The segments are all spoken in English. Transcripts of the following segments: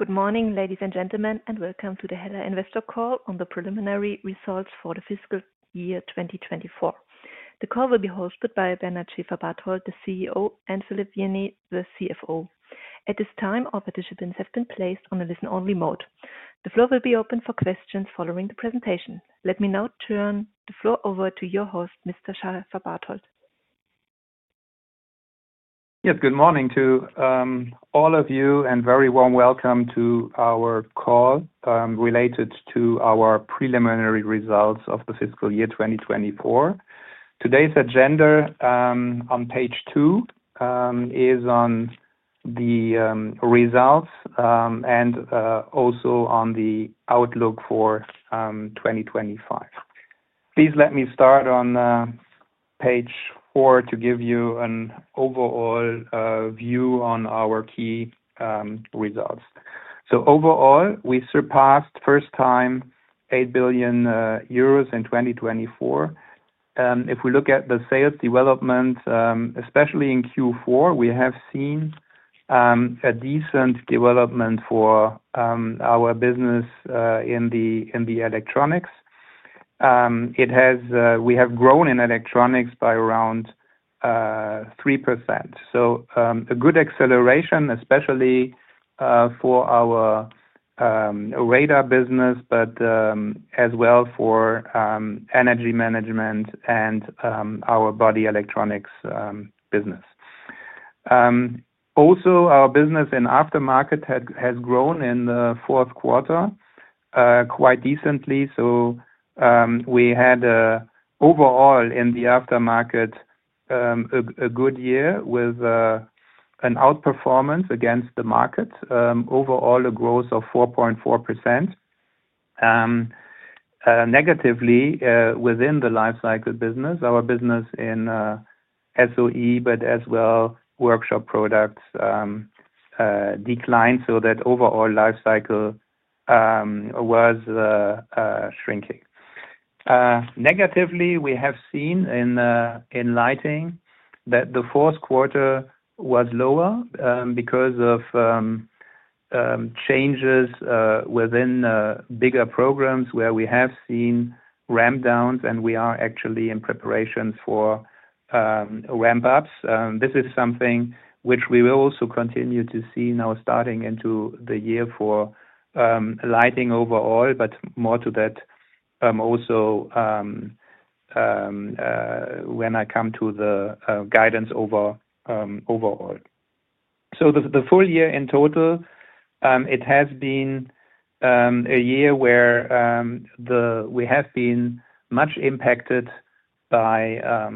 Good morning, ladies and gentlemen, and welcome to the HELLA Investor Call on the preliminary results for the fiscal year 2024. The call will be hosted by Bernard Schäferbarthold, the CEO, and Philippe Vienney, the CFO. At this time, all participants have been placed on a listen-only mode. The floor will be open for questions following the presentation. Let me now turn the floor over to your host, Mr. Schäferbarthold. Yes, good morning to all of you, and a very warm welcome to our call related to our preliminary results of the fiscal year 2024. Today's agenda on page two is on the results and also on the outlook for 2025. Please let me start on page four to give you an overall view on our key results, so overall, we surpassed first-time 8 billion euros in 2024. If we look at the sales development, especially in Q4, we have seen a decent development for our business in the Electronics. We have grown in Electronics by around 3%, so a good acceleration, especially for our radar business, but as well for energy management and our body electronics business. Also, our business in aftermarket has grown in the fourth quarter quite decently. So we had overall in the aftermarket a good year with an outperformance against the market, overall a growth of 4.4%. Negatively, within the Lifecycle business, our business in SOE, but as well workshop products declined, so that overall Lifecycle was shrinking. Negatively, we have seen in Lighting that the fourth quarter was lower because of changes within bigger programs where we have seen ramp-downs, and we are actually in preparations for ramp-ups. This is something which we will also continue to see now starting into the year for Lighting overall, but more to that also when I come to the guidance overall. So the full year in total, it has been a year where we have been much impacted by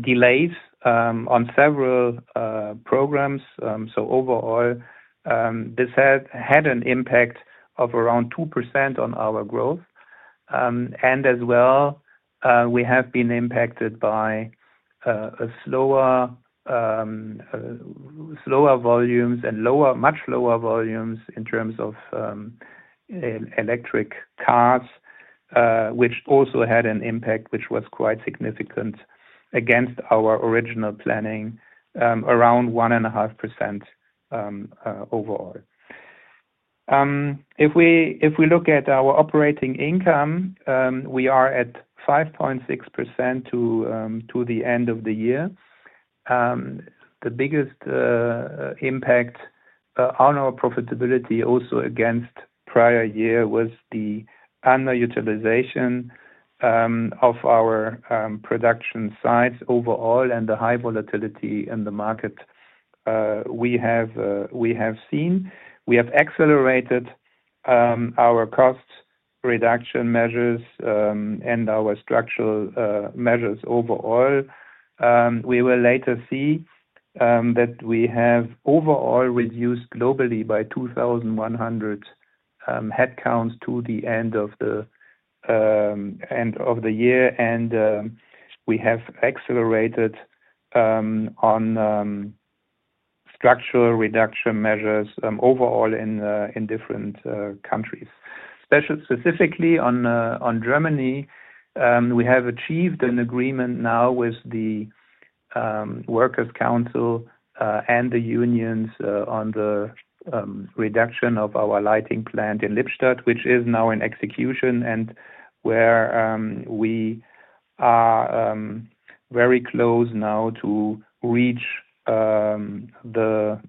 delays on several programs. So overall, this had an impact of around 2% on our growth. And as well, we have been impacted by slower volumes and much lower volumes in terms of electric cars, which also had an impact which was quite significant against our original planning, around 1.5% overall. If we look at our operating income, we are at 5.6% to the end of the year. The biggest impact on our profitability also against prior year was the under-utilization of our production sites overall and the high volatility in the market we have seen. We have accelerated our cost reduction measures and our structural measures overall. We will later see that we have overall reduced globally by 2,100 head counts to the end of the year, and we have accelerated on structural reduction measures overall in different countries. Specifically on Germany, we have achieved an agreement now with the Workers' Council and the unions on the reduction of our Lighting plant in Lippstadt, which is now in execution, and where we are very close now to reach the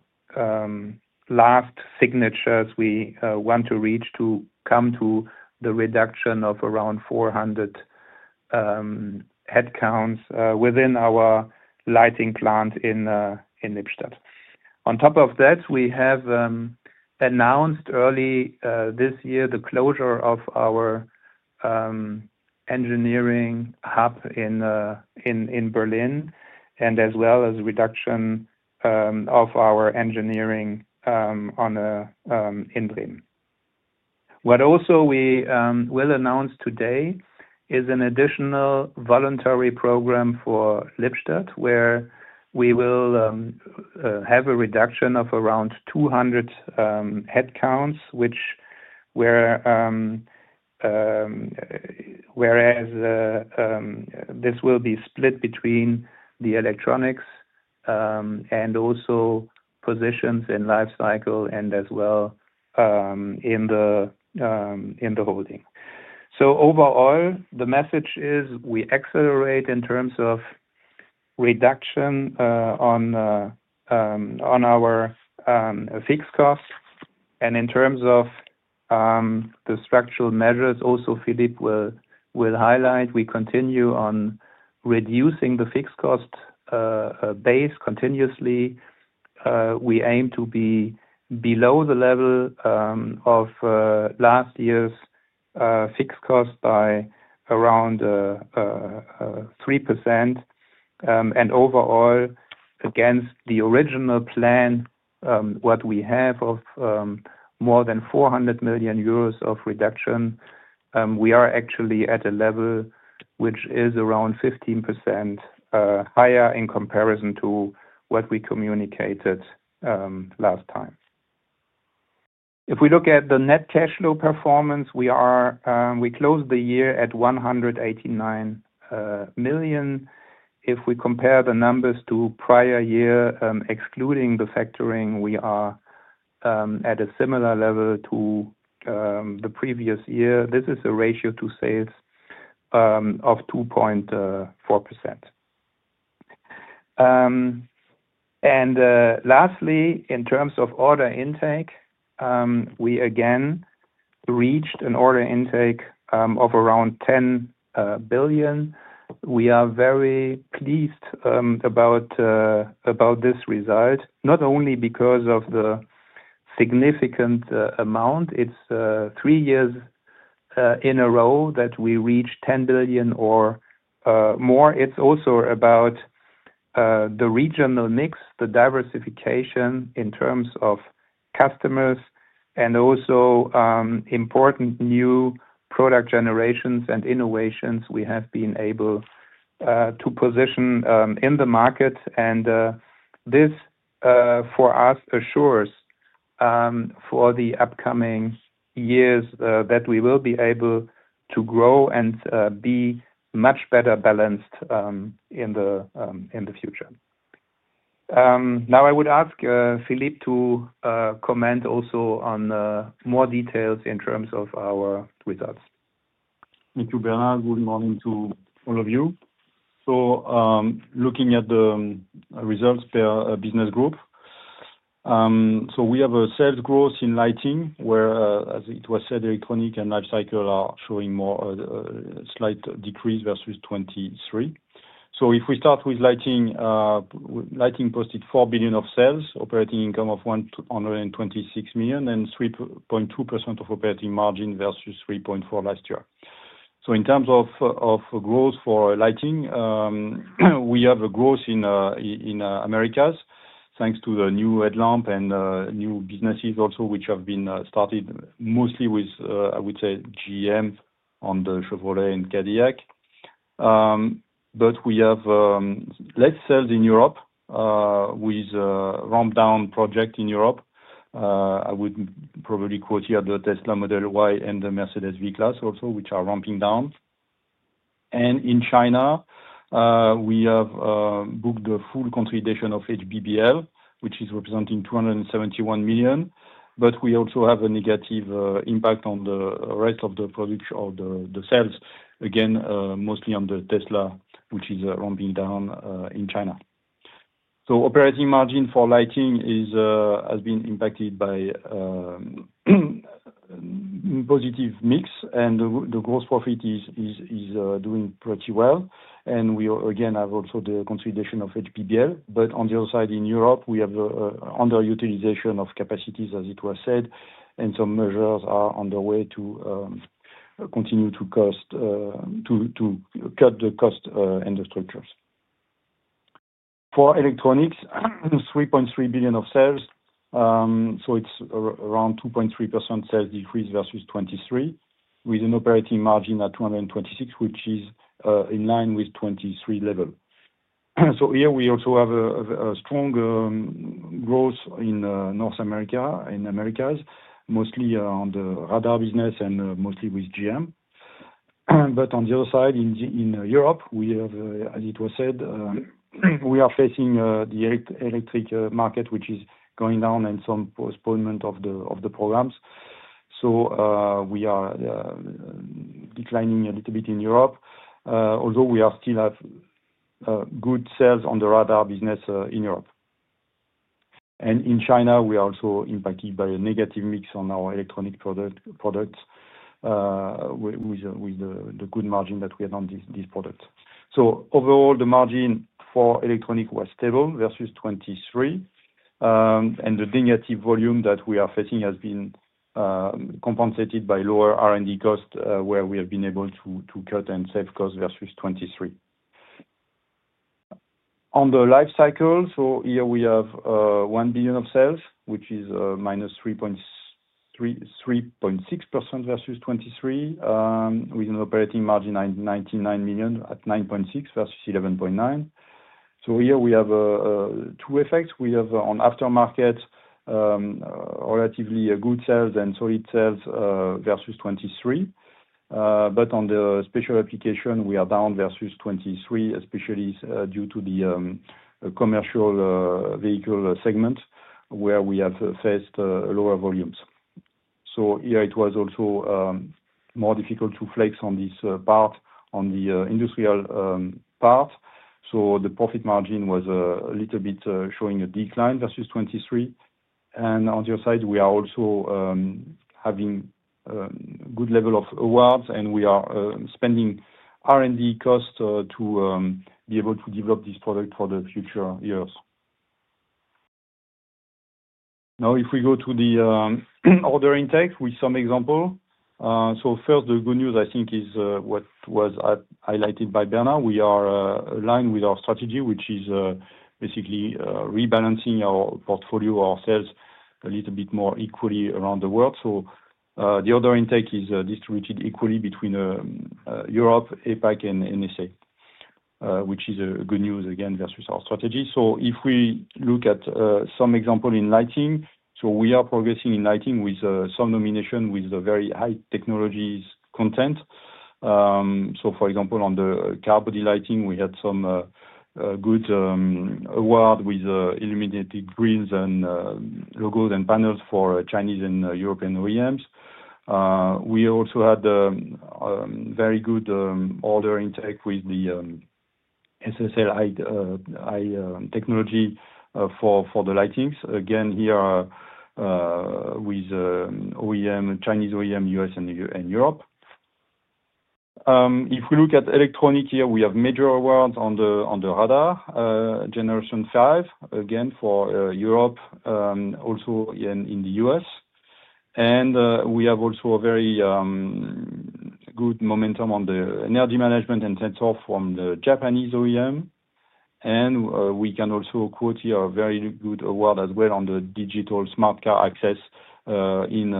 last signatures we want to reach to come to the reduction of around 400 headcount within our Lighting plant in Lippstadt. On top of that, we have announced early this year the closure of our engineering hub in Berlin and as well as reduction of our engineering in Berlin. What also we will announce today is an additional voluntary program for Lippstadt, where we will have a reduction of around 200 headcount, whereas this will be split between the Electronics and also positions in Lifecycle and as well in the holding. So overall, the message is we accelerate in terms of reduction on our fixed costs, and in terms of the structural measures also, Philippe will highlight, we continue on reducing the fixed cost base continuously. We aim to be below the level of last year's fixed cost by around 3%. And overall, against the original plan, what we have of more than 400 million euros of reduction, we are actually at a level which is around 15% higher in comparison to what we communicated last time. If we look at the net cash flow performance, we closed the year at 189 million. If we compare the numbers to prior year, excluding the factoring, we are at a similar level to the previous year. This is a ratio to sales of 2.4%. And lastly, in terms of order intake, we again reached an order intake of around 10 billion. We are very pleased about this result, not only because of the significant amount. It's three years in a row that we reached 10 billion or more. It's also about the regional mix, the diversification in terms of customers, and also important new product generations and innovations we have been able to position in the market, and this for us assures for the upcoming years that we will be able to grow and be much better balanced in the future. Now I would ask Philippe to comment also on more details in terms of our results. Thank you, Bernard. Good morning to all of you. So looking at the results per business group, so we have a sales growth in Lighting, whereas it was said Electronics and Lifecycle are showing more slight decrease versus 2023. So if we start with Lighting, Lighting posted €4 billion of sales, operating income of €126 million, and 3.2% of operating margin versus 3.4% last year. So in terms of growth for Lighting, we have a growth in Americas thanks to the new headlamp and new businesses also which have been started mostly with, I would say, GM on the Chevrolet and Cadillac. But we have less sales in Europe with a ramp-down project in Europe. I would probably quote here the Tesla Model Y and the Mercedes V-Class also, which are ramping down. And in China, we have booked the full consolidation of HBBL, which is representing €271 million. But we also have a negative impact on the rest of the production or the sales, again, mostly on the Tesla, which is ramping down in China. So operating margin for Lighting has been impacted by positive mix, and the gross profit is doing pretty well. And we again have also the consolidation of HBBL. But on the other side in Europe, we have under-utilization of capacities, as it was said, and some measures are underway to continue to cut the cost and the structures. For Electronics, €3.3 billion of sales, so it's around 2.3% sales decrease versus 2023, with an operating margin at €226, which is in line with 2023 level. So here we also have a strong growth in North America and Americas, mostly on the radar business and mostly with GM. But on the other side in Europe, we have, as it was said, we are facing the electric market, which is going down and some postponement of the programs. So we are declining a little bit in Europe, although we still have good sales on the radar business in Europe. And in China, we are also impacted by a negative mix on our electronic products with the good margin that we had on these products. So overall, the margin for electronic was stable versus 2023, and the negative volume that we are facing has been compensated by lower R&D cost, where we have been able to cut and save costs versus 2023. On the Lifecycle, so here we have 1 billion of sales, which is minus 3.6% versus 2023, with an operating margin of 99 million at 9.6% versus 11.9%. So here we have two effects. We have, on aftermarket, relatively good sales and solid sales versus 2023, but on the special application, we are down versus 2023, especially due to the commercial vehicle segment, where we have faced lower volumes, so here it was also more difficult to flex on this part, on the industrial part, so the profit margin was a little bit showing a decline versus 2023, and on the other side, we are also having a good level of awards, and we are spending R&D costs to be able to develop this product for the future years. Now, if we go to the order intake with some examples, so first, the good news, I think, is what was highlighted by Bernard. We are aligned with our strategy, which is basically rebalancing our portfolio, our sales a little bit more equally around the world. The order intake is distributed equally between Europe, APAC, and NSA, which is good news again versus our strategy. If we look at some examples in Lighting, we are progressing in Lighting with some nominations with very high technology content. For example, on the car body Lighting, we had some good awards with Illuminated Grilles and logos and panels for Chinese and European OEMs. We also had very good order intake with the SSL Technology for the Lighting, again here with Chinese OEM, US, and Europe. If we look at Electronics here, we have major awards on the Generation 5 Radar, again for Europe, also in the US. We have also very good momentum on the energy management and sensors from the Japanese OEM. And we can also quote here a very good award as well on the Digital Smart Car Access in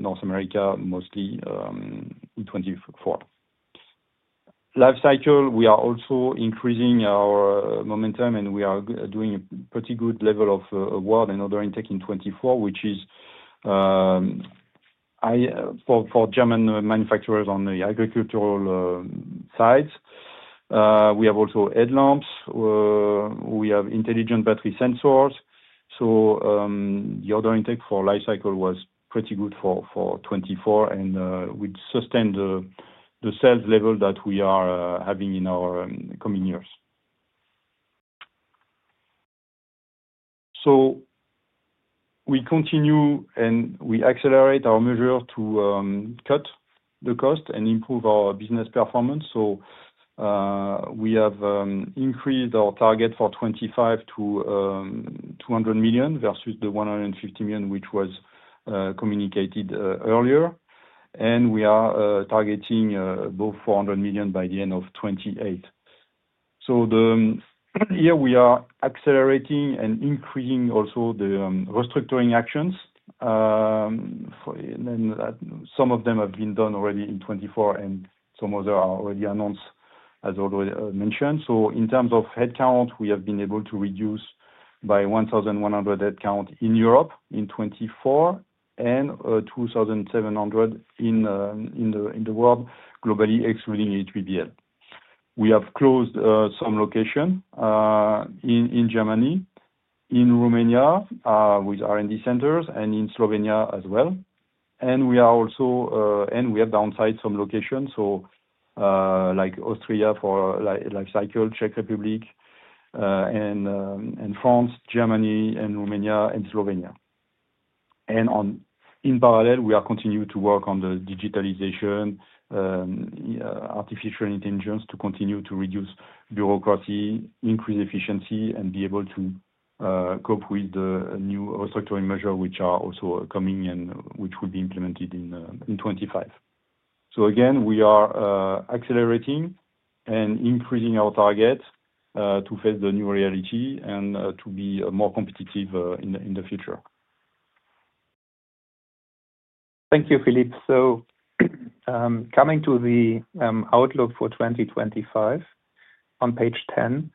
North America, mostly in 2024. Lifecycle, we are also increasing our momentum, and we are doing a pretty good level of award and order intake in 2024, which is for German manufacturers on the agricultural sides. We have also headlamps. We have Intelligent Battery Sensors. So the order intake for Lifecycle was pretty good for 2024, and we sustained the sales level that we are having in our coming years. So we continue and we accelerate our measure to cut the cost and improve our business performance. So we have increased our target for 2025 to 200 million versus the 150 million, which was communicated earlier. And we are targeting 400 million by the end of 2028. So here we are accelerating and increasing also the restructuring actions. Some of them have been done already in 2024, and some others are already announced, as already mentioned. So in terms of head count, we have been able to reduce by 1,100 head count in Europe in 2024 and 2,700 in the world, globally excluding HBBL. We have closed some locations in Germany, in Romania with R&D centers, and in Slovenia as well. And we have downsized some locations, so like Austria for Lifecycle, Czech Republic, and France, Germany, and Romania and Slovenia. And in parallel, we are continuing to work on the digitalization, artificial intelligence to continue to reduce bureaucracy, increase efficiency, and be able to cope with the new restructuring measures, which are also coming and which will be implemented in 2025. So again, we are accelerating and increasing our target to face the new reality and to be more competitive in the future. Thank you, Philippe. Coming to the outlook for 2025 on page 10,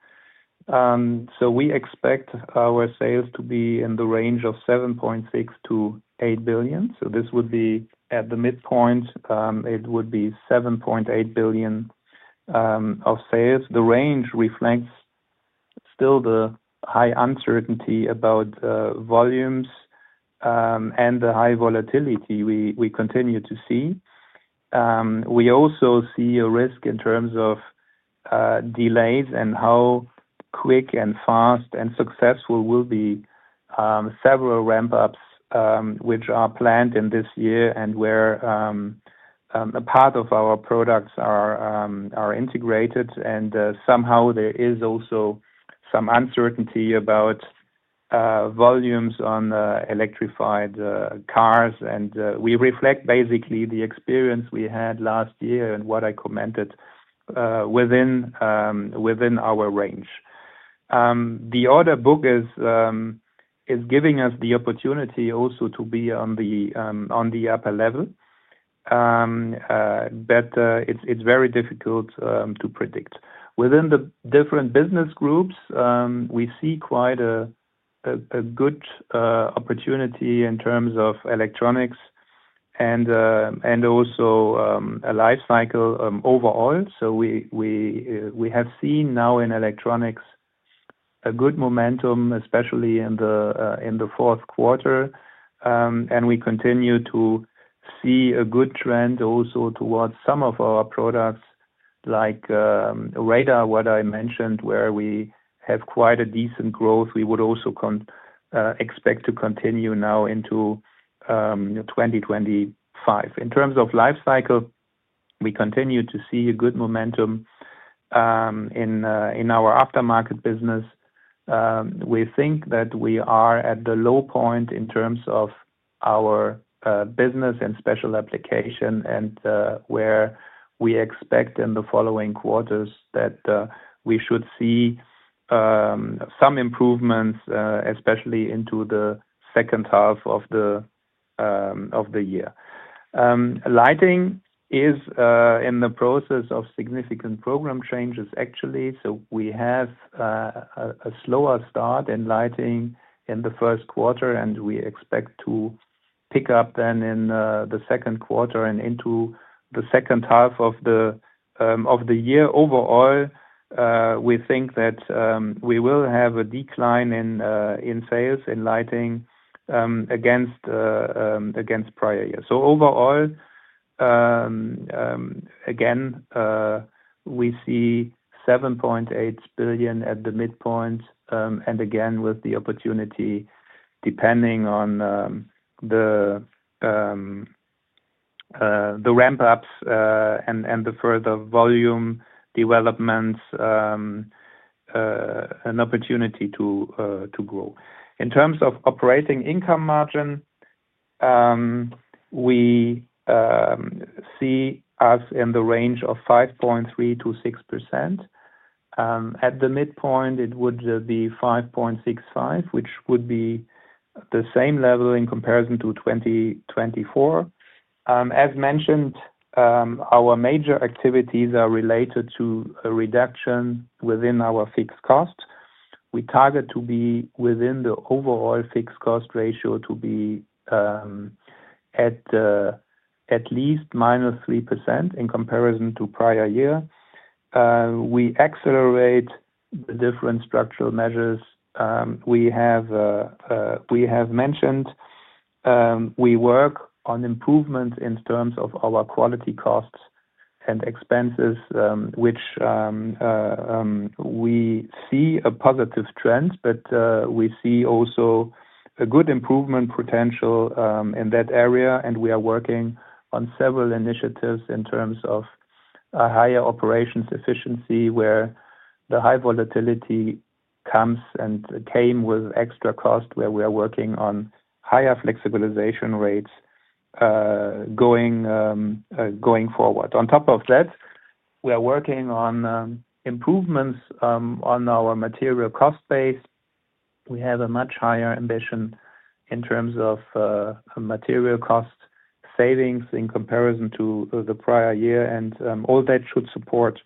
so we expect our sales to be in the range of 7.6 billion-8 billion. This would be at the midpoint, it would be 7.8 billion of sales. The range reflects still the high uncertainty about volumes and the high volatility we continue to see. We also see a risk in terms of delays and how quick and fast and successful will be several ramp-ups which are planned in this year and where a part of our products are integrated. Somehow there is also some uncertainty about volumes on electrified cars. We reflect basically the experience we had last year and what I commented within our range. The order book is giving us the opportunity also to be on the upper level, but it's very difficult to predict. Within the different business groups, we see quite a good opportunity in terms of Electronics and also a Lifecycle overall. So we have seen now in Electronics a good momentum, especially in the fourth quarter. And we continue to see a good trend also towards some of our products like radar, what I mentioned, where we have quite a decent growth. We would also expect to continue now into 2025. In terms of Lifecycle, we continue to see a good momentum in our aftermarket business. We think that we are at the low point in terms of our business and special application, and where we expect in the following quarters that we should see some improvements, especially into the second half of the year. Lighting is in the process of significant program changes, actually. So we have a slower start in Lighting in the first quarter, and we expect to pick up then in the second quarter and into the second half of the year. Overall, we think that we will have a decline in sales in Lighting against prior years. So overall, again, we see 7.8 billion at the midpoint, and again, with the opportunity depending on the ramp-ups and the further volume developments and opportunity to grow. In terms of operating income margin, we see us in the range of 5.3%-6%. At the midpoint, it would be 5.65%, which would be the same level in comparison to 2024. As mentioned, our major activities are related to a reduction within our fixed cost. We target to be within the overall fixed cost ratio to be at least minus 3% in comparison to prior year. We accelerate the different structural measures we have mentioned. We work on improvements in terms of our quality costs and expenses, which we see a positive trend, but we see also a good improvement potential in that area. We are working on several initiatives in terms of higher operations efficiency, where the high volatility comes and came with extra cost, where we are working on higher flexibilization rates going forward. On top of that, we are working on improvements on our material cost base. We have a much higher ambition in terms of material cost savings in comparison to the prior year. All that should support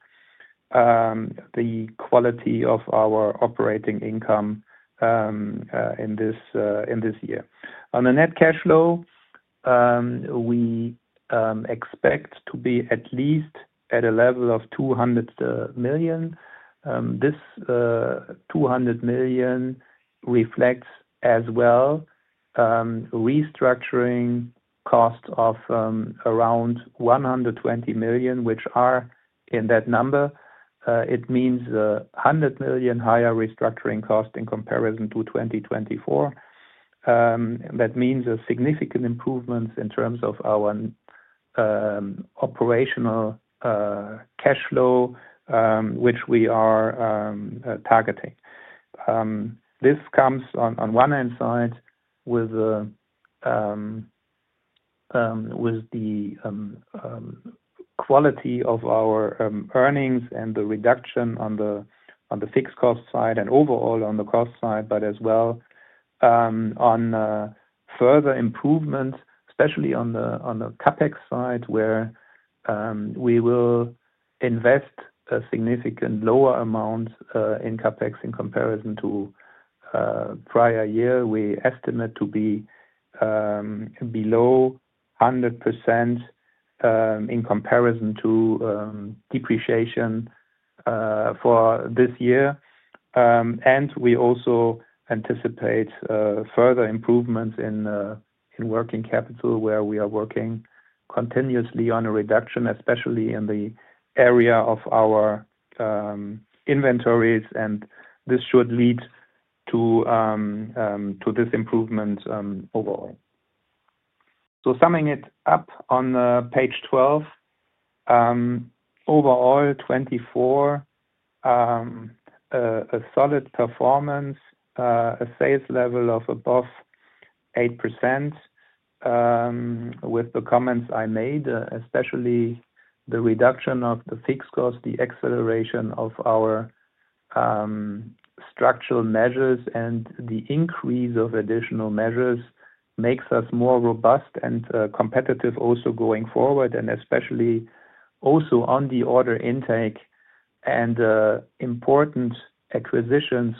the quality of our operating income in this year. On the net cash flow, we expect to be at least at a level of 200 million. This €200 million reflects as well restructuring costs of around €120 million, which are in that number. It means €100 million higher restructuring cost in comparison to 2024. That means a significant improvement in terms of our operational cash flow, which we are targeting. This comes on one hand side with the quality of our earnings and the reduction on the fixed cost side and overall on the cost side, but as well on further improvements, especially on the CapEx side, where we will invest a significant lower amount in CapEx in comparison to prior year. We estimate to be below 100% in comparison to depreciation for this year, and we also anticipate further improvements in working capital, where we are working continuously on a reduction, especially in the area of our inventories, and this should lead to this improvement overall. So summing it up on page 12, overall 24, a solid performance, a sales level of above 8% with the comments I made, especially the reduction of the fixed cost, the acceleration of our structural measures, and the increase of additional measures makes us more robust and competitive also going forward, and especially also on the order intake and important acquisitions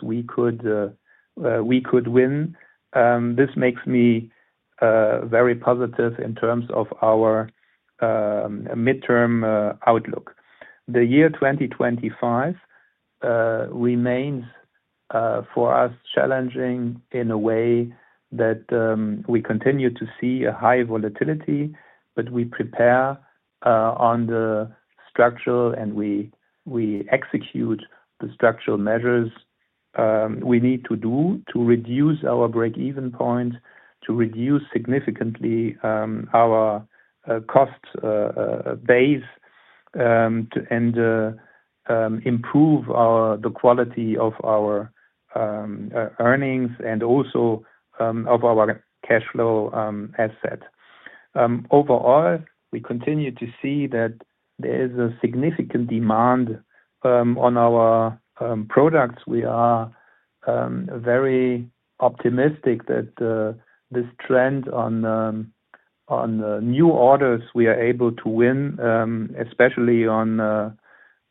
we could win. This makes me very positive in terms of our midterm outlook. The year 2025 remains for us challenging in a way that we continue to see a high volatility, but we prepare on the structural and we execute the structural measures we need to do to reduce our break-even point, to reduce significantly our cost base and improve the quality of our earnings and also of our cash flow asset. Overall, we continue to see that there is a significant demand on our products. We are very optimistic that this trend on new orders we are able to win, especially on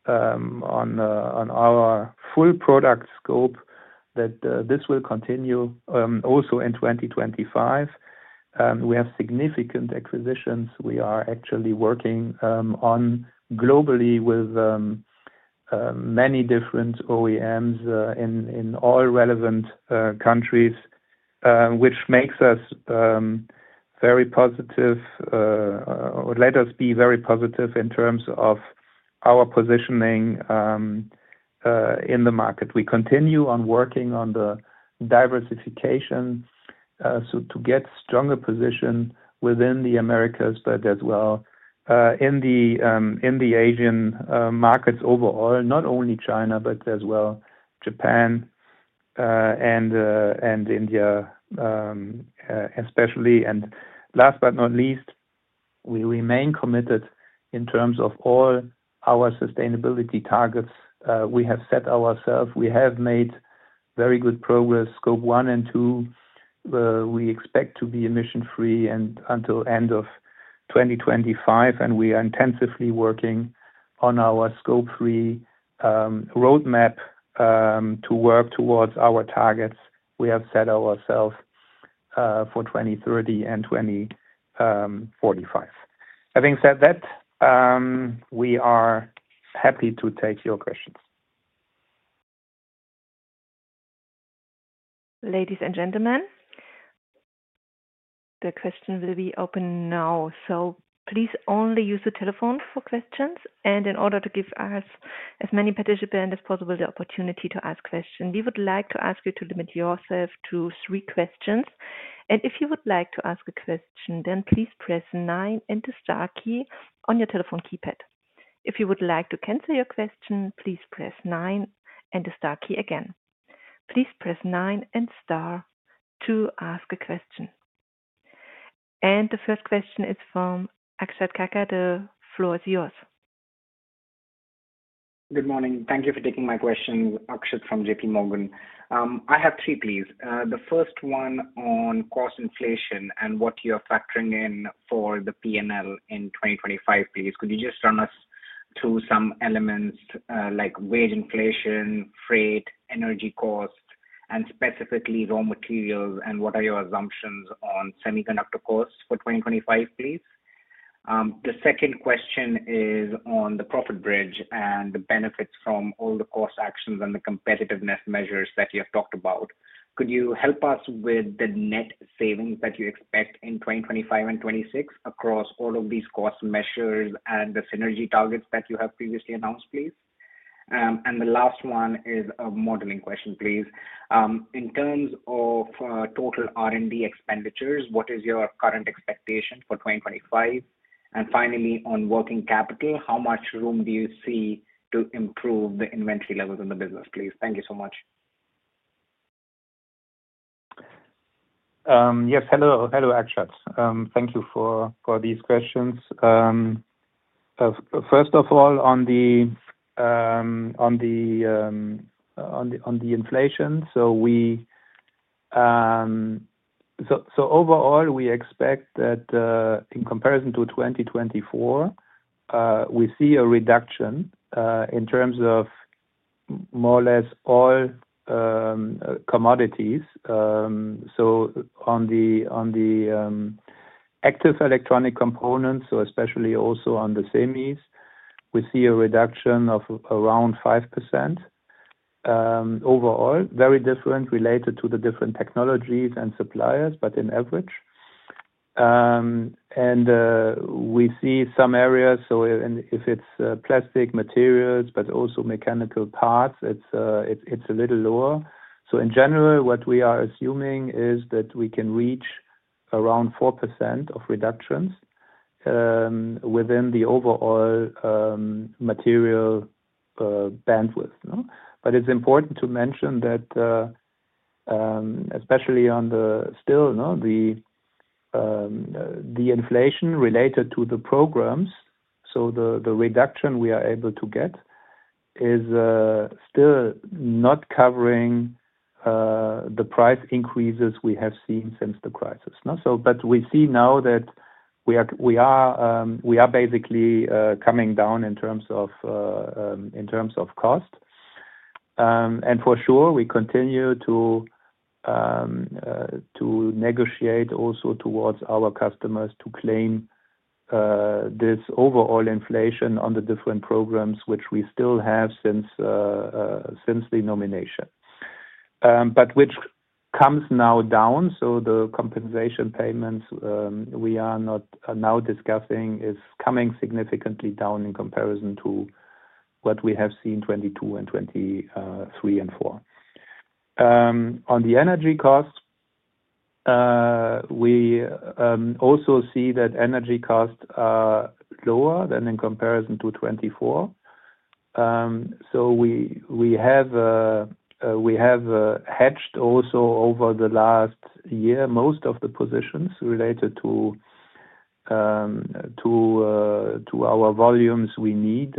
our full product scope, that this will continue also in 2025. We have significant acquisitions. We are actually working globally with many different OEMs in all relevant countries, which makes us very positive or let us be very positive in terms of our positioning in the market. We continue on working on the diversification to get stronger position within the Americas, but as well in the Asian markets overall, not only China, but as well Japan and India, especially. And last but not least, we remain committed in terms of all our sustainability targets we have set ourselves. We have made very good progress. Scope 1 and 2, we expect to be emission-free until the end of 2025. We are intensively working on our Scope 3 roadmap to work towards our targets we have set ourselves for 2030 and 2045. Having said that, we are happy to take your questions. Ladies and gentlemen, the question will be open now. So please only use the telephone for questions. And in order to give us as many participants as possible the opportunity to ask questions, we would like to ask you to limit yourself to three questions. And if you would like to ask a question, then please press nine and the star key on your telephone keypad. If you would like to cancel your question, please press nine and the star key again. Please press nine and star to ask a question. And the first question is from Akshat Kacker. The floor is yours. Good morning. Thank you for taking my question, Akshat from J.P. Morgan. I have three, please. The first one on cost inflation and what you are factoring in for the P&L in 2025, please. Could you just run us through some elements like wage inflation, freight, energy costs, and specifically raw materials, and what are your assumptions on semiconductor costs for 2025, please? The second question is on the profit bridge and the benefits from all the cost actions and the competitiveness measures that you have talked about. Could you help us with the net savings that you expect in 2025 and 2026 across all of these cost measures and the synergy targets that you have previously announced, please? And the last one is a modeling question, please. In terms of total R&D expenditures, what is your current expectation for 2025? And finally, on working capital, how much room do you see to improve the inventory levels in the business, please? Thank you so much. Yes. Hello, Akshat. Thank you for these questions. First of all, on the inflation, so overall, we expect that in comparison to 2024, we see a reduction in terms of more or less all commodities. So on the active electronic components, so especially also on the semis, we see a reduction of around 5% overall, very different related to the different technologies and suppliers, but on average. And we see some areas, so if it's plastic materials, but also mechanical parts, it's a little lower. So in general, what we are assuming is that we can reach around 4% of reductions within the overall material bandwidth. But it's important to mention that especially on the steel, the inflation related to the programs, so the reduction we are able to get is still not covering the price increases we have seen since the crisis. We see now that we are basically coming down in terms of cost. For sure, we continue to negotiate also towards our customers to claim this overall inflation on the different programs, which we still have since the nomination, but which comes now down. The compensation payments we are now discussing are coming significantly down in comparison to what we have seen in 2022 and 2023 and 2024. On the energy costs, we also see that energy costs are lower than in comparison to 2024. We have hedged also over the last year most of the positions related to our volumes we need.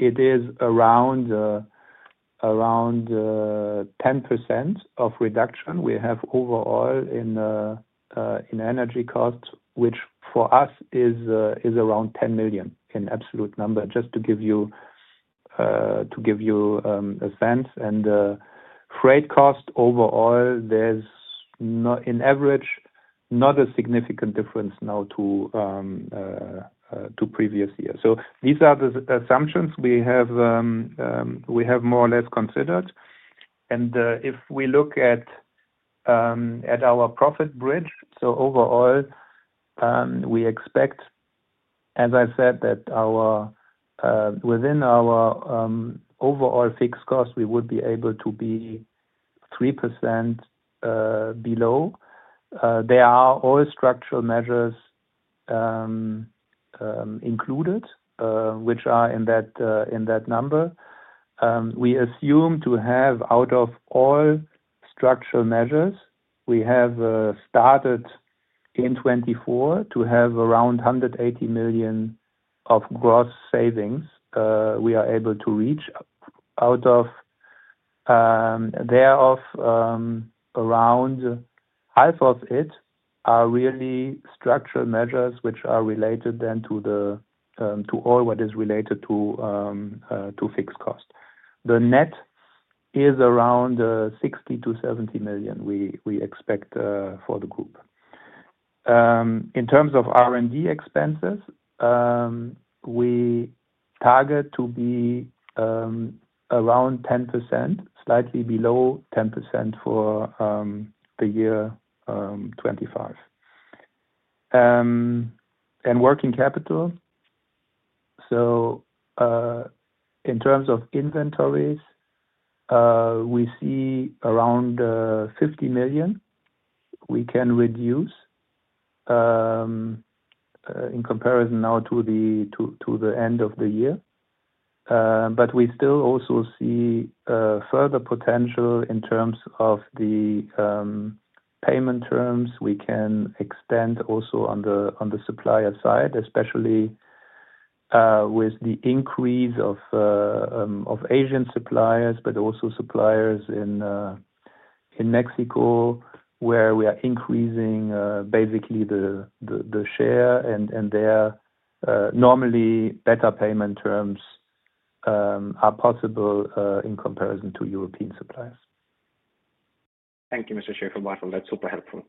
It is around 10% of reduction we have overall in energy costs, which for us is around 10 million in absolute number, just to give you a sense. Freight cost overall, there is, on average, not a significant difference now to previous year. So these are the assumptions we have more or less considered. And if we look at our profit bridge, so overall, we expect, as I said, that within our overall fixed costs, we would be able to be 3% below. There are all structural measures included, which are in that number. We assume to have out of all structural measures we have started in 2024 to have around 180 million of gross savings we are able to reach out of. Thereof, around half of it are really structural measures, which are related then to all what is related to fixed cost. The net is around 60 million-70 million we expect for the group. In terms of R&D expenses, we target to be around 10%, slightly below 10% for the year 2025. And working capital, so in terms of inventories, we see around 50 million we can reduce in comparison now to the end of the year. But we still also see further potential in terms of the payment terms. We can extend also on the supplier side, especially with the increase of Asian suppliers, but also suppliers in Mexico, where we are increasing basically the share. And there, normally, better payment terms are possible in comparison to European suppliers. Thank you, Mr. Schäferbarthold. That's super helpful.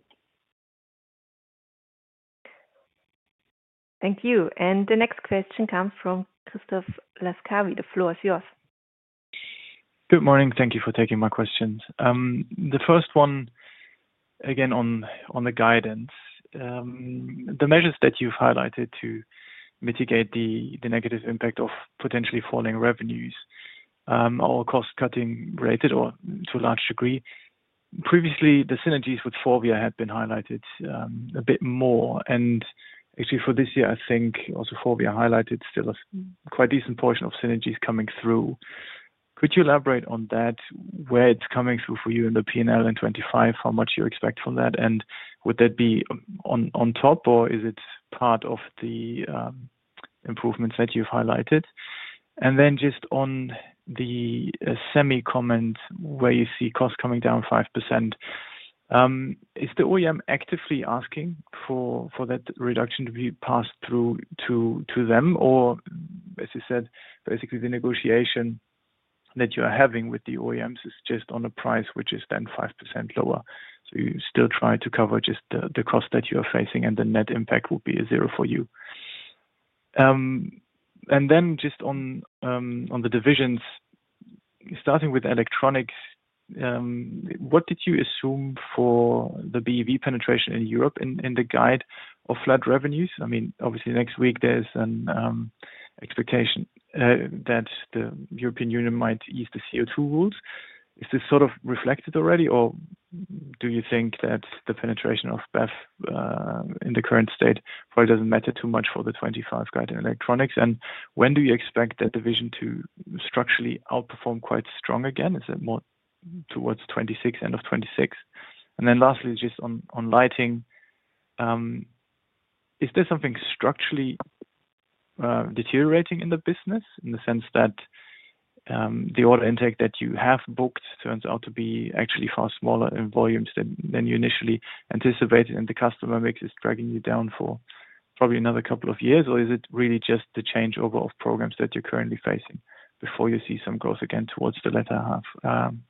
Thank you. And the next question comes from Christoph Laskawi. The floor is yours. Good morning. Thank you for taking my questions. The first one, again, on the guidance, the measures that you've highlighted to mitigate the negative impact of potentially falling revenues or cost-cutting related to a large degree. Previously, the synergies with FORVIA had been highlighted a bit more. And actually, for this year, I think also FORVIA highlighted still a quite decent portion of synergies coming through. Could you elaborate on that, where it's coming through for you in the P&L in 2025, how much you expect from that? And would that be on top, or is it part of the improvements that you've highlighted? And then just on the semi comment, where you see costs coming down 5%, is the OEM actively asking for that reduction to be passed through to them? Or, as you said, basically, the negotiation that you are having with the OEMs is just on a price which is then 5% lower. So you still try to cover just the cost that you are facing, and the net impact will be a zero for you. And then just on the divisions, starting with Electronics, what did you assume for the BEV penetration in Europe in the guide of flat revenues? I mean, obviously, next week, there's an expectation that the European Union might ease the CO2 rules. Is this sort of reflected already, or do you think that the penetration of BEV in the current state probably doesn't matter too much for the 2025 guide in Electronics? And when do you expect that division to structurally outperform quite strong again? Is it more towards 2026, end of 2026? And then lastly, just on Lighting, is there something structurally deteriorating in the business in the sense that the order intake that you have booked turns out to be actually far smaller in volumes than you initially anticipated, and the customer mix is dragging you down for probably another couple of years? Or is it really just the changeover of programs that you're currently facing before you see some growth again towards the latter half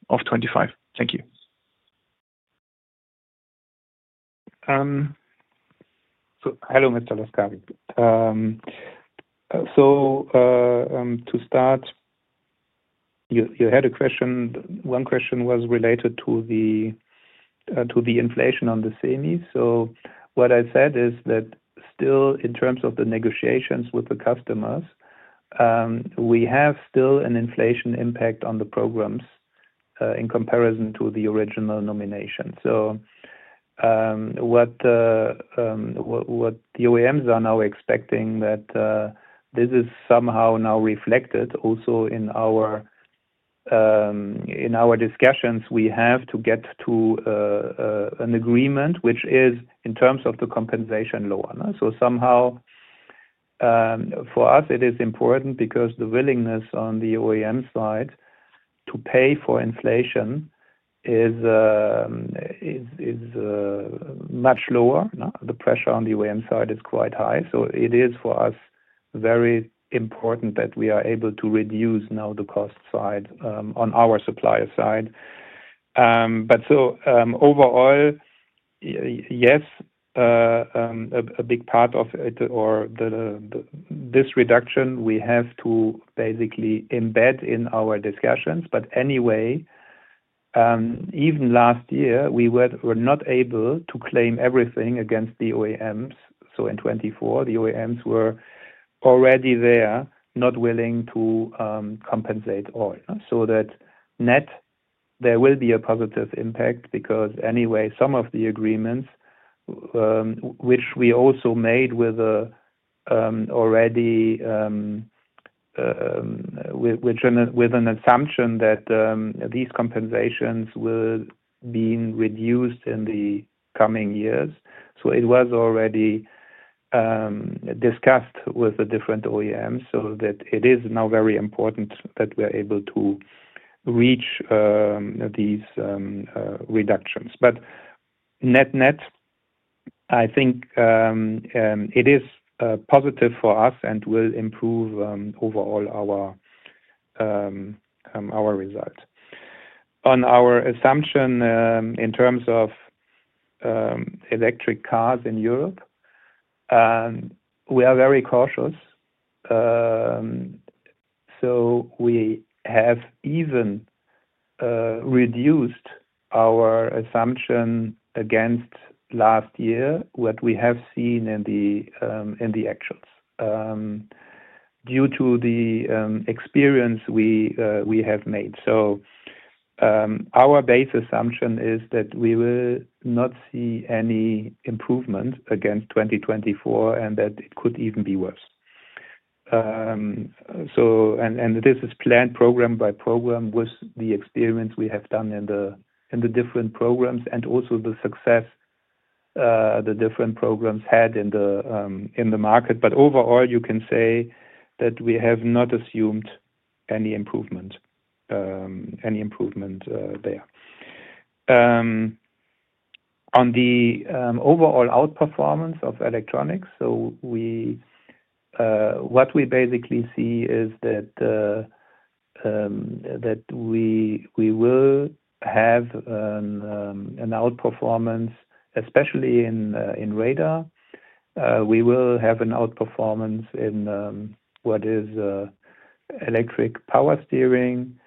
of 2025? Thank you. Hello, Mr. Laskawi. To start, you had a question. One question was related to the inflation on the semis. What I said is that still, in terms of the negotiations with the customers, we have still an inflation impact on the programs in comparison to the original nomination. What the OEMs are now expecting is that this is somehow now reflected also in our discussions. We have to get to an agreement, which is in terms of the compensation lower. Somehow, for us, it is important because the willingness on the OEM side to pay for inflation is much lower. The pressure on the OEM side is quite high. It is, for us, very important that we are able to reduce now the cost side on our supplier side. But so overall, yes, a big part of it or this reduction, we have to basically embed in our discussions. But anyway, even last year, we were not able to claim everything against the OEMs. So in 2024, the OEMs were already there, not willing to compensate all. So that net, there will be a positive impact because anyway, some of the agreements, which we also made already with an assumption that these compensations will be reduced in the coming years. So it was already discussed with the different OEMs so that it is now very important that we are able to reach these reductions. But net net, I think it is positive for us and will improve overall our result. On our assumption in terms of electric cars in Europe, we are very cautious. So we have even reduced our assumption against last year, what we have seen in the actions due to the experience we have made. Our base assumption is that we will not see any improvement against 2024 and that it could even be worse. This is planned program by program with the experience we have done in the different programs and also the success the different programs had in the market. Overall, you can say that we have not assumed any improvement there. On the overall outperformance of Electronics, what we basically see is that we will have an outperformance, especially in radar. We will have an outperformance in what is electric power steering.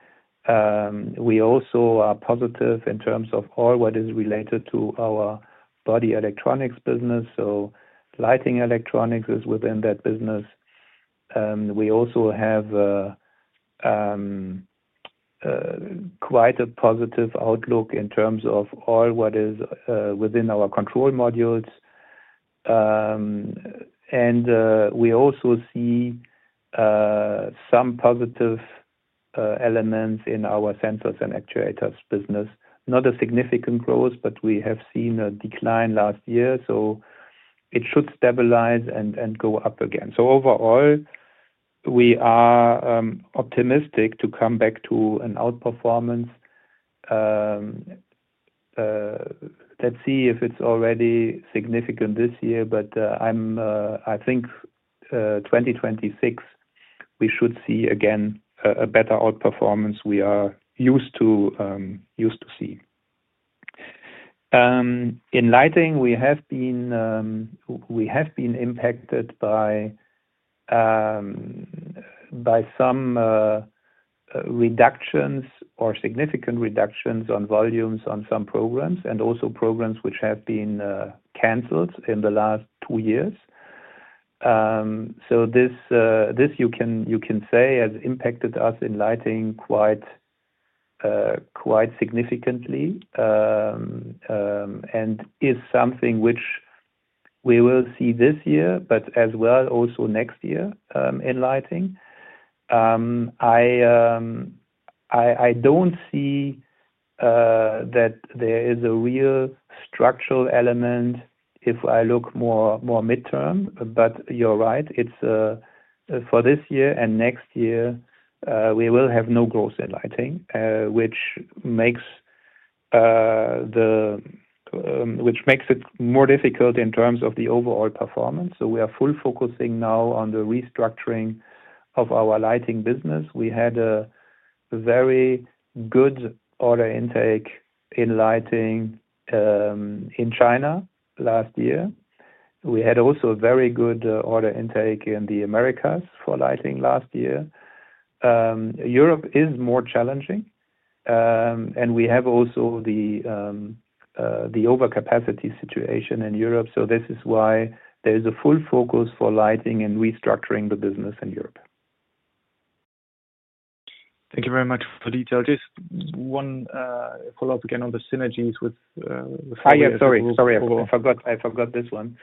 We also are positive in terms of all what is related to our body electronics business. Lighting Electronics is within that business. We also have quite a positive outlook in terms of all what is within our control modules. And we also see some positive elements in our sensors and actuators business. Not a significant growth, but we have seen a decline last year. So it should stabilize and go up again. So overall, we are optimistic to come back to an outperformance. Let's see if it's already significant this year, but I think 2026, we should see again a better outperformance we are used to see. In Lighting, we have been impacted by some reductions or significant reductions on volumes on some programs and also programs which have been canceled in the last two years. So this, you can say, has impacted us in Lighting quite significantly and is something which we will see this year, but as well also next year in Lighting. I don't see that there is a real structural element if I look more mid-term, but you're right. For this year and next year, we will have no growth in Lighting, which makes it more difficult in terms of the overall performance. So we are fully focusing now on the restructuring of our Lighting business. We had a very good order intake in Lighting in China last year. We had also a very good order intake in the Americas for Lighting last year. Europe is more challenging, and we have also the overcapacity situation in Europe. So this is why there is a full focus for Lighting and restructuring the business in Europe. Thank you very much for the detail. Just one follow-up again on the synergies with FORVIA. Oh, yeah. Sorry. Sorry. I forgot this one.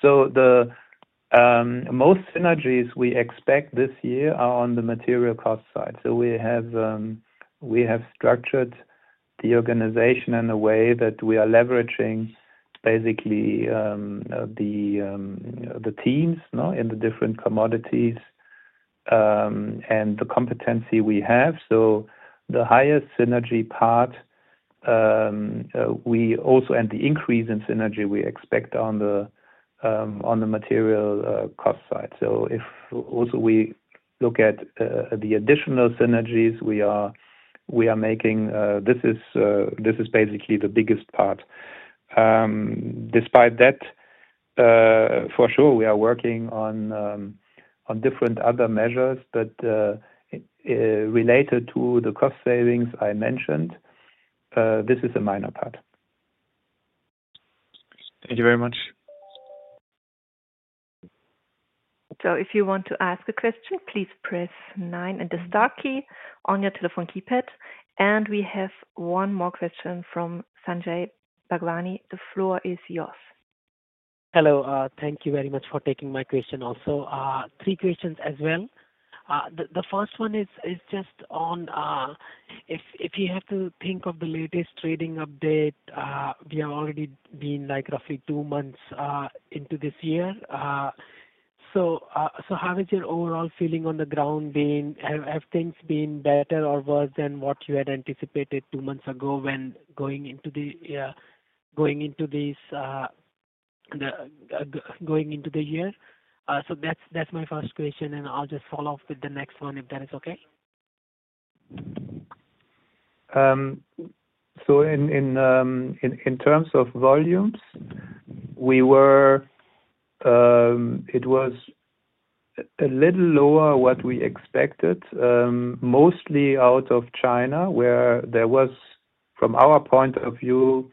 So most synergies we expect this year are on the material cost side. So we have structured the organization in a way that we are leveraging basically the teams in the different commodities and the competency we have. So the highest synergy part, we also and the increase in synergy we expect on the material cost side. So if also we look at the additional synergies, we are making this is basically the biggest part. Despite that, for sure, we are working on different other measures, but related to the cost savings I mentioned, this is a minor part. Thank you very much. So if you want to ask a question, please press 9 and the star key on your telephone keypad. And we have one more question from Sanjay Bhagwani. The floor is yours. Hello. Thank you very much for taking my question also. Three questions as well. The first one is just on if you have to think of the latest trading update, we have already been roughly two months into this year. So how is your overall feeling on the ground? Have things been better or worse than what you had anticipated two months ago when going into the year? So that's my first question, and I'll just follow up with the next one if that is okay. In terms of volumes, it was a little lower what we expected, mostly out of China, where there was, from our point of view,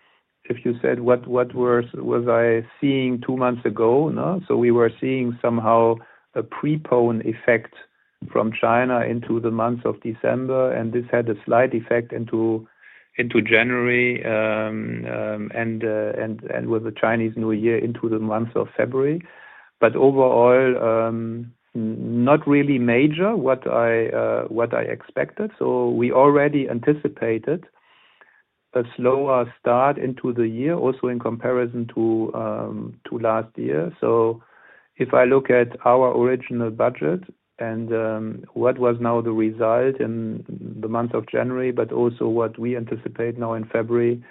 if you said, "What was I seeing two months ago?" So we were seeing somehow a prepone effect from China into the months of December, and this had a slight effect into January and with the Chinese New Year into the month of February. But overall, not really major what I expected. So we already anticipated a slower start into the year, also in comparison to last year. So if I look at our original budget and what was now the result in the month of January, but also what we anticipate now in February,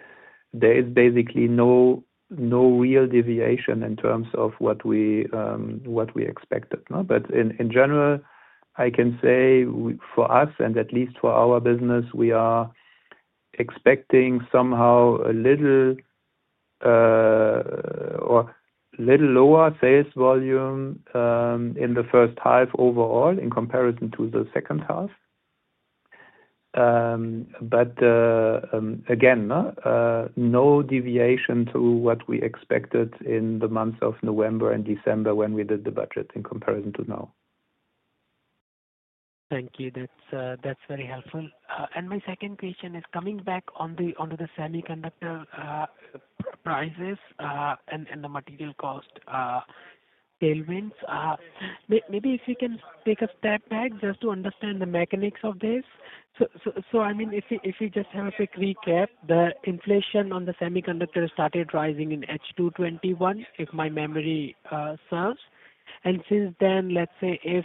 there is basically no real deviation in terms of what we expected. But in general, I can say for us, and at least for our business, we are expecting somehow a little lower sales volume in the first half overall in comparison to the second half. But again, no deviation to what we expected in the months of November and December when we did the budget in comparison to now. Thank you. That's very helpful, and my second question is coming back on the semiconductor prices and the material cost tailwinds. Maybe if you can take a step back just to understand the mechanics of this. So I mean, if we just have a quick recap, the inflation on the semiconductor started rising in H2 2021, if my memory serves, and since then, let's say if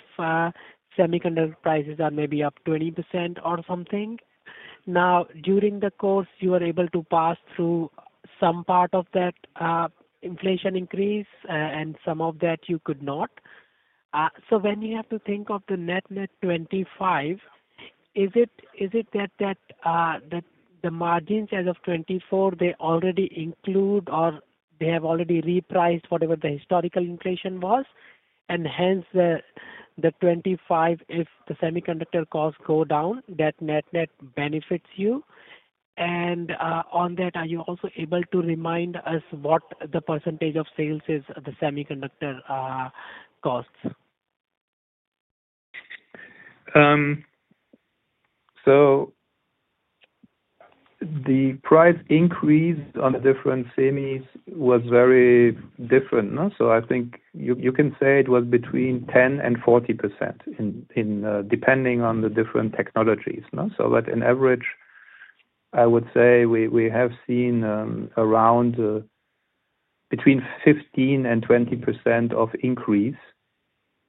semiconductor prices are maybe up 20% or something, now during the course, you are able to pass through some part of that inflation increase, and some of that you could not, so when you have to think of the net net 2025, is it that the margins as of 2024, they already include or they have already repriced whatever the historical inflation was, and hence, the 2025, if the semiconductor costs go down, that net net benefits you? And on that, are you also able to remind us what the percentage of sales is the semiconductor costs? So the price increase on the different semis was very different. So I think you can say it was between 10% and 40% depending on the different technologies. So that in average, I would say we have seen around between 15% and 20% of increase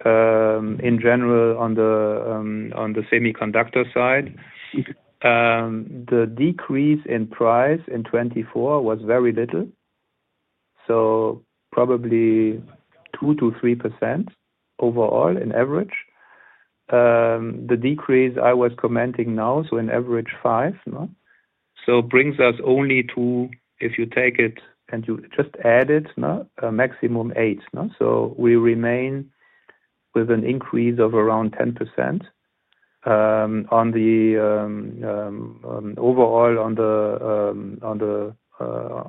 in general on the semiconductor side. The decrease in price in 2024 was very little, so probably 2%-3% overall in average. The decrease I was commenting now, so in average, 5%. So brings us only to, if you take it and you just add it, maximum 8%. So we remain with an increase of around 10% overall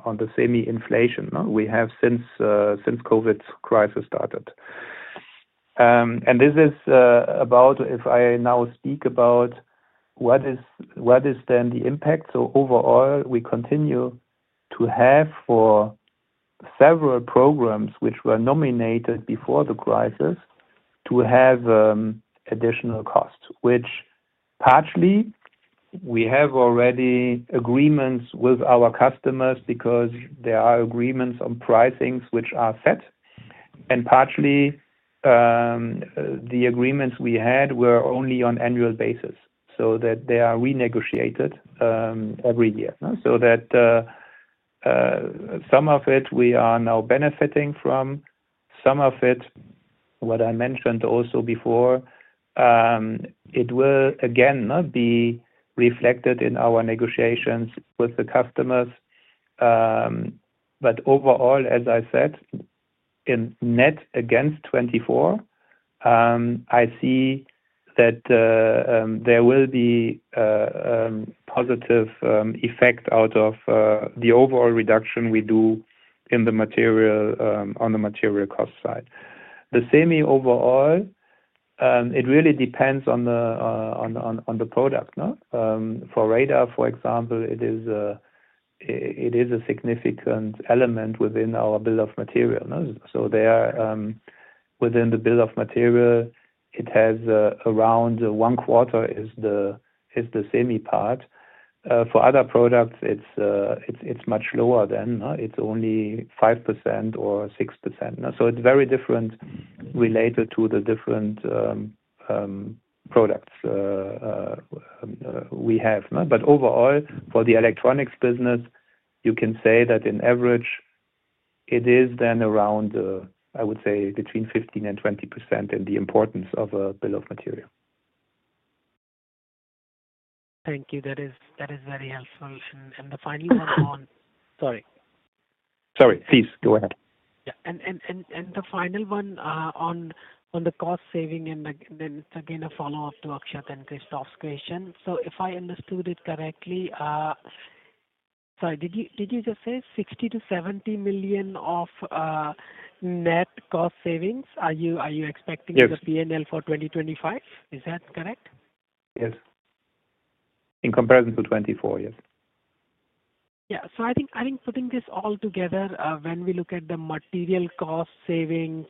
on the semi inflation we have since COVID crisis started. And this is about if I now speak about what is then the impact. So overall, we continue to have for several programs which were nominated before the crisis to have additional costs, which partially we have already agreements with our customers because there are agreements on pricings which are set. And partially, the agreements we had were only on annual basis so that they are renegotiated every year. So that some of it we are now benefiting from. Some of it, what I mentioned also before, it will again be reflected in our negotiations with the customers. But overall, as I said, net against 2024, I see that there will be a positive effect out of the overall reduction we do on the material cost side. The semi overall, it really depends on the product. For radar, for example, it is a significant element within our bill of material. Within the bill of material, it has around one quarter is the semi part. For other products, it's much lower than. It's only 5% or 6%. It's very different related to the different products we have. But overall, for the Electronics business, you can say that in average, it is then around, I would say, between 15%-20% in the importance of a bill of material. Thank you. That is very helpful. And the final one on sorry. Sorry, please go ahead. Yeah. And the final one on the cost saving, and then it's again a follow-up to Akshat and Christoph's question. So if I understood it correctly, sorry, did you just say 60 million-70 million of net cost savings? Are you expecting the P&L for 2025? Is that correct? Yes. In comparison to 2024, yes. Yeah. So I think putting this all together, when we look at the material cost savings,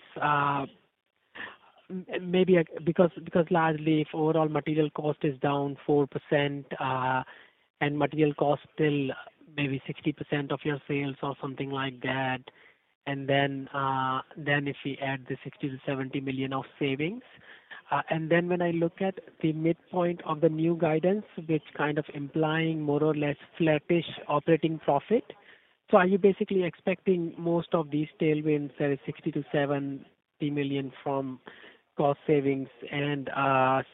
maybe because largely if overall material cost is down 4% and material cost still maybe 60% of your sales or something like that, and then if we add the 60 million-70 million of savings. And then when I look at the midpoint of the new guidance, which kind of implying more or less flattish operating profit, so are you basically expecting most of these tailwinds, there is 60 million-70 million from cost savings and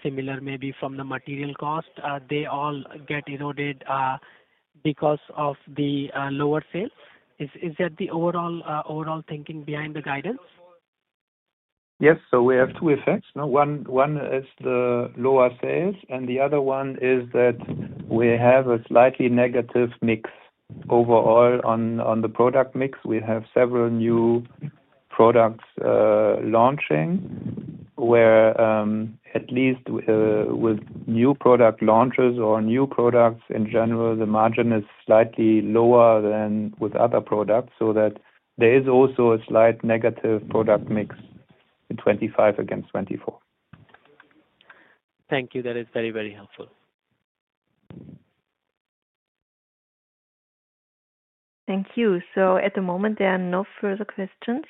similar maybe from the material cost, they all get eroded because of the lower sales? Is that the overall thinking behind the guidance? Yes, so we have two effects. One is the lower sales, and the other one is that we have a slightly negative mix overall on the product mix. We have several new products launching where at least with new product launches or new products in general, the margin is slightly lower than with other products, so that there is also a slight negative product mix in 2025 against 2024. Thank you. That is very, very helpful. Thank you. So at the moment, there are no further questions.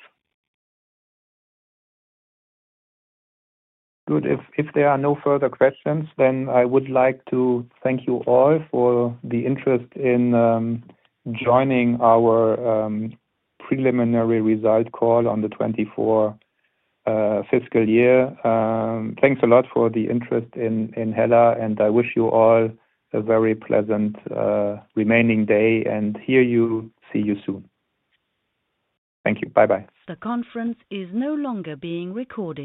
Good. If there are no further questions, then I would like to thank you all for the interest in joining our preliminary result call on the 2024 fiscal year. Thanks a lot for the interest in HELLA, and I wish you all a very pleasant remaining day. Hear you soon. See you soon. Thank you. Bye-bye. The conference is no longer being recorded.